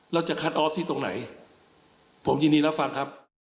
จะคัดออฟที่ตรงไหนผมยินดีรับฟังครับ